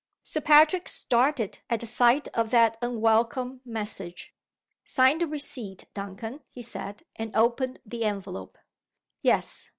Sir Patrick started at the sight of that unwelcome message. "Sign the receipt, Duncan," he said and opened the envelope. Yes!